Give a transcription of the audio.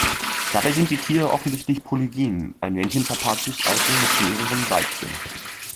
Dabei sind die Tiere offensichtlich polygyn, ein Männchen verpaart sich also mit mehreren Weibchen.